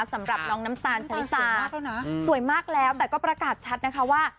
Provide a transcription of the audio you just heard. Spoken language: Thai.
สำหรับน้องน้ำตาลชะลิตาสวยมากแล้วแต่ก็ประกาศชัดนะคะว่า